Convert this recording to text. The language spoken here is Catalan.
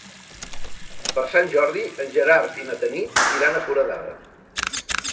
Per Sant Jordi en Gerard i na Tanit iran a Foradada.